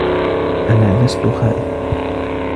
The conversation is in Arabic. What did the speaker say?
أنا لست خائف.